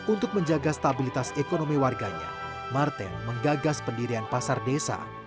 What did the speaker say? untuk menjaga stabilitas ekonomi warganya marten menggagas pendirian pasar desa